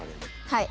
はい。